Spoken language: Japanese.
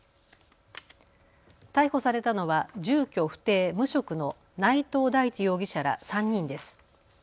逮捕されたのは住居不定、無職の内藤大地容疑者ら３人です。